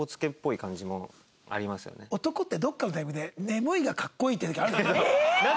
男ってどこかのタイミングで「眠い」がかっこいいっていう時あるよね。